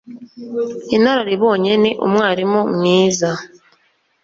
inararibonye ni umwarimu mwiza